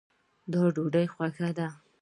دا ډوډۍ خوږه ده